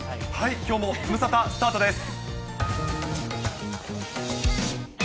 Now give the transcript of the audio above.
きょうもズムサタ、スタートです。